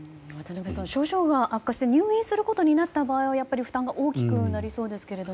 症状が悪化して入院することになった場合はやっぱり負担が大きくなりそうですが。